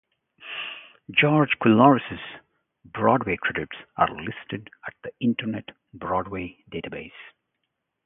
George Coulouris's Broadway credits are listed at the Internet Broadway Database.